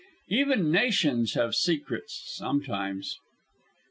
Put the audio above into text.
Even nations have secrets sometimes.